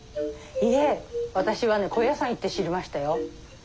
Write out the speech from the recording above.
いえ私はね高野山行って知りましたよ。